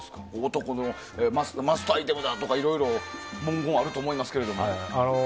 男のマストアイテムだとかいろいろ文言あると思いますが。